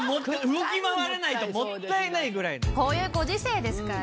動き回らないともったいないぐらい。